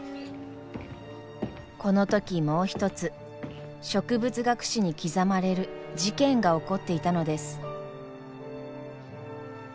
この時もう一つ植物学史に刻まれる事件が起こっていたのです。